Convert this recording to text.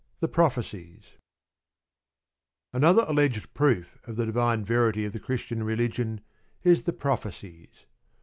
THE PROPHECIES Another alleged proof of the divine verity of the Christian religion is the Prophecies.